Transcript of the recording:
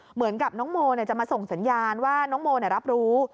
เหมือนกับน้องโมจะมาส่งสัญญาณว่าน้องโมรับรู้